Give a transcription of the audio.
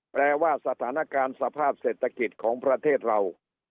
แปลว่าสถานการณ์สภาพเศรษฐกิจของประเทศเรา